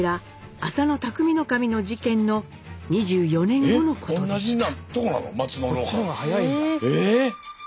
浅野内匠頭の事件の２４年後のことでした。